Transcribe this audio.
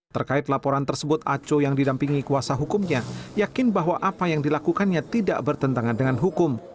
terkait laporan tersebut aco yang didampingi kuasa hukumnya yakin bahwa apa yang dilakukannya tidak bertentangan dengan hukum